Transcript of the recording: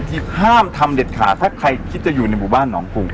ที่ห้ามทำเด็ดขาดถ้าใครคิดจะอยู่ในหมู่บ้านหนองกรุง